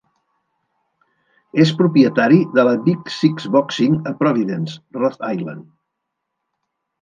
És propietari de la Big Six Boxing a Providence, Rhode Island.